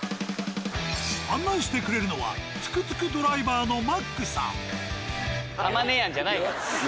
案内してくれるのはトゥクトゥクドライバーのマックさん。